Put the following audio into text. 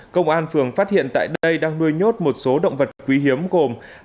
công an phường phát hiện tại đây đang nuôi nhốt một số động vật quý hiếm gồm